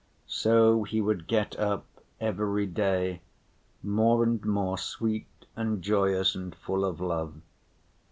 So he would get up every day, more and more sweet and joyous and full of love.